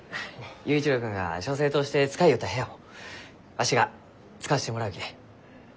佑一郎君が書生として使いよった部屋をわしが使わせてもらうき。